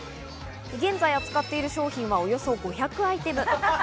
現在、扱っている商品はおよそ５００アイテム。